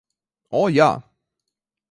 O, jā!